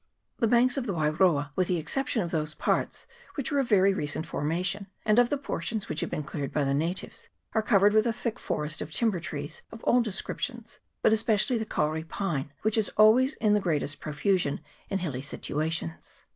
The banks of the Wairoa, with the exception of those parts which are of very recent formation, and of the portions which have been cleared by the natives, are covered with a thick forest of timber trees of all descriptions, but especially the kauri pine, which is always in the greatest profusion in hilly situa tions.